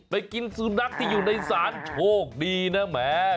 ไปกินสุนัขที่อยู่ในศาลโชคดีนะแหม